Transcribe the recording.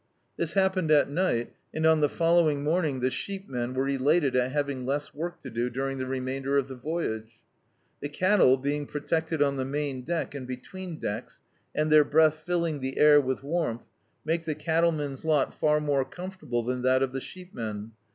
This happened at ni^t, and on the fol lowing morning the sheep men were elated at having less work to do during the remainder of the voyage. The cattle, being protected on the main deck, and between decks, and their breath filling the air with warmth, make the cattleman's lot far more comfort able than that of the sheep men.